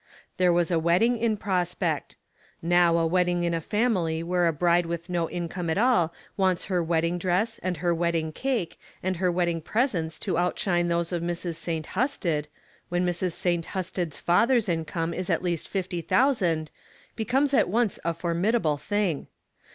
There was a y> wedding in prospect. Now a wedding in a family where the bride with no income at all wants her wedding dress, and her wedding cake, and her wedding presents to outshine those of Mrs. St. Ilusted, when Mrs. St. Husted's father's income is at least fifty thousand, becomes at once a formidable thing.